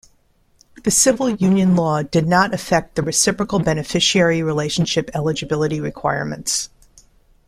The civil union law did not affect the reciprocal beneficiary relationship eligibility requirements.